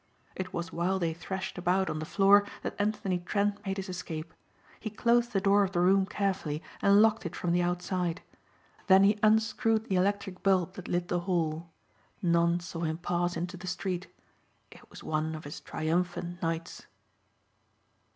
It was while they thrashed about on the floor that Anthony Trent made his escape. He closed the door of the room carefully and locked it from the outside. Then he unscrewed the electric bulb that lit the hall. None saw him pass into the street. It was one of his triumphant nights.